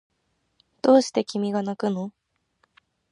どうして君がなくの